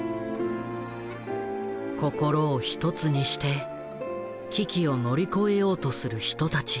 心を一つにして危機を乗り越えようとする人たち。